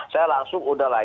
saya langsung udah lah